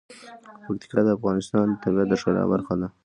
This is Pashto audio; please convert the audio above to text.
پکتیکا د افغانستان د طبیعت د ښکلا برخه ده.